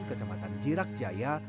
kecamatan jirak jaya